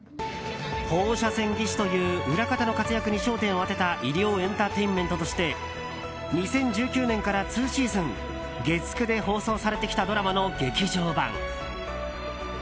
放射線技師という裏方の活躍に焦点を当てた医療エンターテインメントとして２０１９年から２シーズン月９で放送されてきたドラマの劇場版。